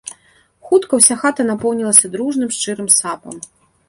Хутка ўся хата напоўнілася дружным, шчырым сапам.